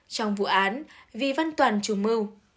trong vụ án vi văn toàn trùm mưu